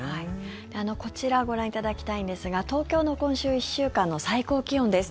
こちらご覧いただきたいんですが東京の今週１週間の最高気温です。